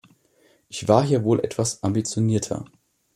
Ich war hier wohl etwas ambitionierter.